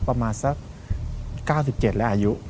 ประมาณสัก๙๗และอายุ